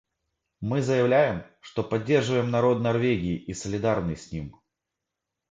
Мы заявляем, что поддерживаем народ Норвегии и солидарны с ним.